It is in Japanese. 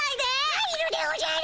入るでおじゃる。